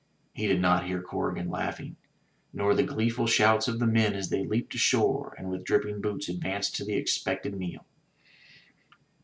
He did not hear Corrigan laughing, nor the gleeful shouts of the men as they leaped ashore and with dripping boots advanced to the expected meal.